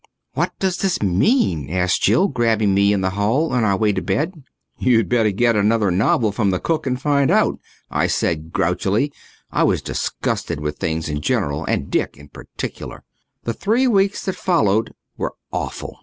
"What does this mean?" asked Jill, grabbing me in the hall on our way to bed. "You'd better get another novel from the cook and find out," I said grouchily. I was disgusted with things in general and Dick in particular. The three weeks that followed were awful.